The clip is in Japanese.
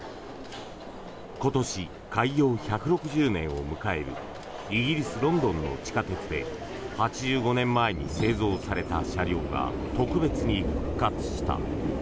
今年、開業１６０年を迎えるイギリス・ロンドンの地下鉄で８５年前に製造された車両が特別に復活した。